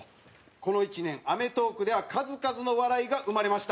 この１年、『アメトーーク』では数々の笑いが生まれました。